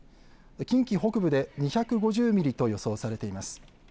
近畿北部で２５０ミリと予想されています。